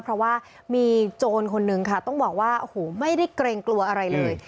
เพราะว่ามีโจรคนนึงค่ะต้องบอกว่าโอ้โหไม่ได้เกรงกลัวอะไรเลย